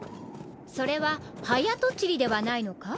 それははやとちりではないのか？